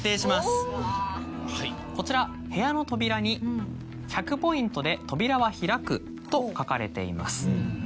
こちら部屋の扉に「１００ポイントで扉は開く」と書かれています。